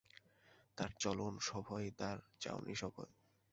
তার চলন সভয়, তার চাউনি সভয়।